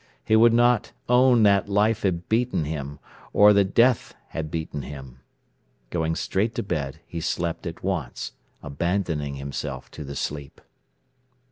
He would not own that life had beaten him, or that death had beaten him. Going straight to bed, he slept at once, abandoning himself to the sleep.